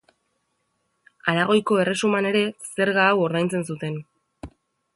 Aragoiko Erresuman ere zerga hau ordaintzen zuten.